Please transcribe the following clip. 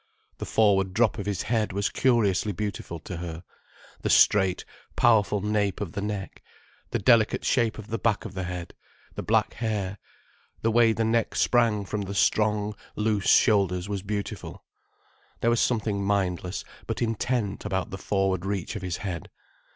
The forward drop of his head was curiously beautiful to her, the straight, powerful nape of the neck, the delicate shape of the back of the head, the black hair. The way the neck sprang from the strong, loose shoulders was beautiful. There was something mindless but intent about the forward reach of his head.